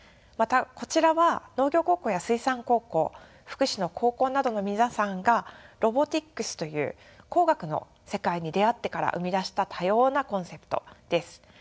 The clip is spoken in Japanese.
またこちらは農業高校や水産高校福祉の高校などの皆さんがロボティクスという工学の世界に出会ってから生み出した多様なコンセプトです。